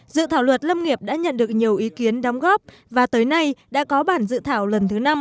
dự thảo luật lâm nghiệp đã nhận được nhiều ý kiến đóng góp và tới nay đã có bản dự thảo lần thứ năm